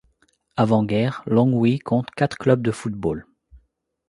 Avant guerre, Longwy compte quatre clubs de football.